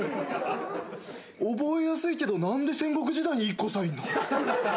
覚えやすいけど何で戦国時代にＩＫＫＯさんいんの？